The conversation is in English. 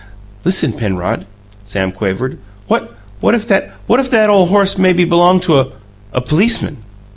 "Listen, Penrod," Sam quavered: "What what if that what if that ole horse maybe b'longed to a policeman!"